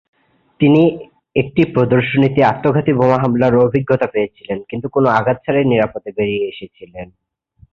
তিনি একটি প্রদর্শনীতে আত্মঘাতী বোমা হামলার অভিজ্ঞতা পেয়েছিলেন কিন্তু কোনো আঘাত ছাড়াই নিরাপদে বেরিয়ে এসেছিলেন।